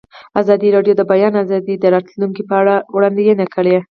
ازادي راډیو د د بیان آزادي د راتلونکې په اړه وړاندوینې کړې.